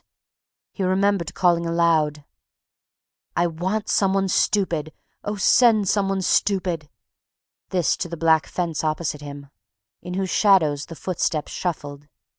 He remembered calling aloud: "I want some one stupid. Oh, send some one stupid!" This to the black fence opposite him, in whose shadows the footsteps shuffled